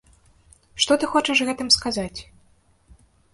Што ты хочаш гэтым сказаць?